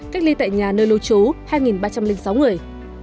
cách ly tại nhà nơi lưu trú hai ba trăm linh sáu người